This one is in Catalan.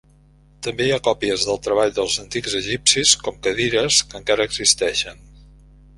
També hi ha còpies del treball dels antics egipcis, com cadires, que encara existeixen.